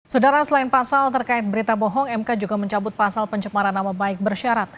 saudara selain pasal terkait berita bohong mk juga mencabut pasal pencemaran nama baik bersyarat